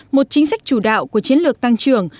một chính sách chủ đạo của chiến lược tăng trưởng